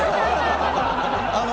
あの、